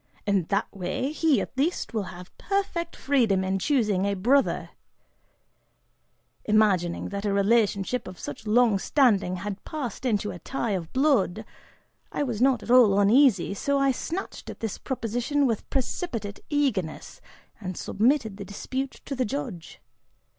In that way, he, at least, will have perfect freedom in choosing a 'brother'." Imagining that a relationship of such long standing had passed into a tie of blood, I was not at all uneasy, so I snatched at this proposition with precipitate eagerness, and submitted the dispute to the judge.